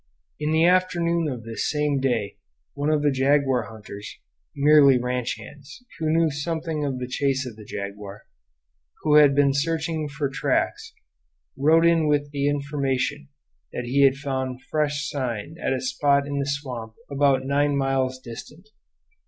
In the afternoon of this same day one of the jaguar hunters merely ranch hands, who knew something of the chase of the jaguar who had been searching for tracks, rode in with the information that he had found fresh sign at a spot in the swamp about nine miles distant.